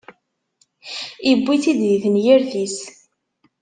Iwwi-tt-id di tenyirt-is.